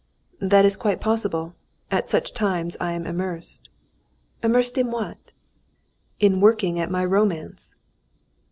"That is quite possible. At such times I am immersed." "Immersed in what?" "In working at my romance."